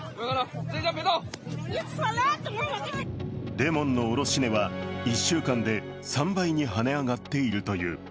レモンの卸値は１週間で３倍にはね上がっているという。